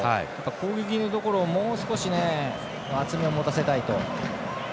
攻撃のところをもう少し厚みを持たせたいと。